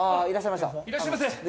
いらっしゃいませ。